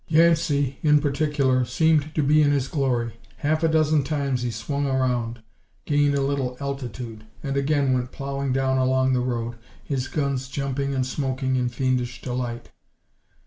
Yancey, in particular, seemed to be in his glory. Half a dozen times he swung around, gained a little altitude, and again went plowing down along the road, his guns jumping and smoking in fiendish delight.